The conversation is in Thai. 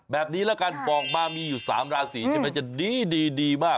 แบบนี้ละกันบอกมามีอยู่๓ราศีใช่ไหมจะดีมาก